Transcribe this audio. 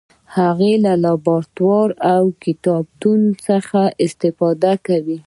هغه له لابراتوار او کتابتون څخه استفاده کوي.